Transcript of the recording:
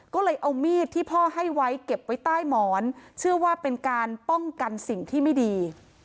ก็เลยเอามีดที่พ่อให้ไว้เก็บไว้ใต้หมอนเชื่อว่าเป็นการป้องกันสิ่งที่ไม่ดี